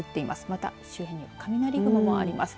また、周辺には雷雲もあります。